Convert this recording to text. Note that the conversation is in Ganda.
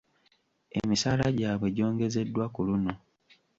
Emisaala gyabwe gyongezeddwa ku luno.